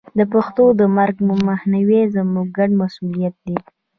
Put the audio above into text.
د پښتو د مرګ مخنیوی زموږ ګډ مسوولیت دی.